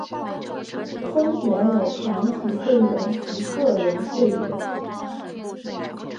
分别有团体会员及个人会员。